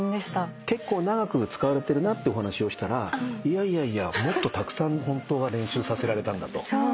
結構長く使われてるなってお話をしたら「いやいやもっとたくさんホントは練習させられたんだ」と。